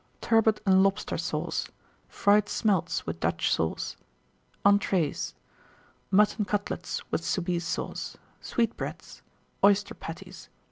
Turbot and Lobster Sauce. Fried Smelts, with Dutch Sauce. ENTREES. Mutton Cutlets, with Soubise Sauce. Sweetbreads. Oyster Patties.